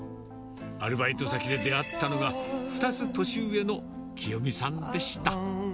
アルバイト先で出会ったのが、２つ年上のきよみさんでした。